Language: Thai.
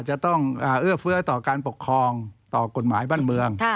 จะต้องเอื้อเฟื้อต่อการปกครองต่อกฎหมายบ้านเมือง